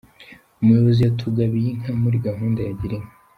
umuyobozi yatugabiye inka muri gahunda ya girinka.